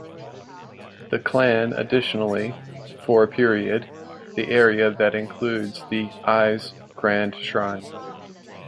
The clan additionally, for a period, the area that includes the Ise Grand Shrine.